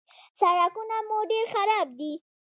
_سړکونه مو ډېر خراب دي.